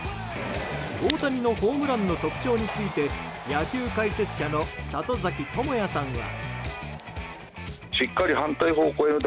大谷のホームランの特徴について野球解説者の里崎智也さんは。